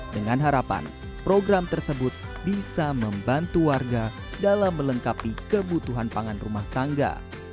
dengan harapan program tersebut bisa membantu warga dalam melengkapi kebutuhan pangan rumah tangga